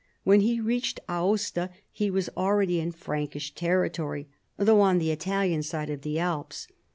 When he reached Aosta he was already in Frankish territory, though on the Italian side of the Alps.